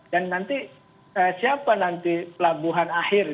dan nanti siapa nanti pelabuhan akhir